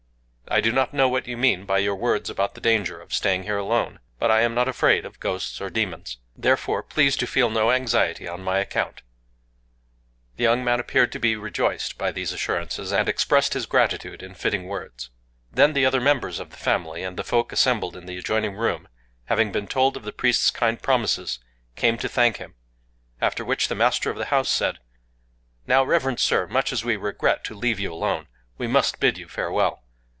I do not know what you mean by your words about the danger of staying here alone; but I am not afraid of ghosts or demons: therefore please to feel no anxiety on my account." The young man appeared to be rejoiced by these assurances, and expressed his gratitude in fitting words. Then the other members of the family, and the folk assembled in the adjoining room, having been told of the priest's kind promises, came to thank him,—after which the master of the house said:— "Now, reverend Sir, much as we regret to leave you alone, we must bid you farewell.